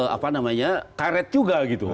apa namanya karet juga gitu